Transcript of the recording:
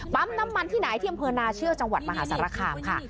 ปั๊มน้ำมันที่ไหนที่บรรพณะเชื่อจังหวัดมหาสรรคามค่ะ